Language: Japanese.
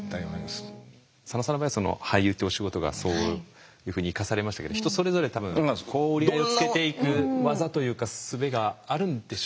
佐野さんの場合は俳優ってお仕事がそういうふうに生かされましたけど人それぞれ多分折り合いをつけていく技というかすべがあるんでしょうね。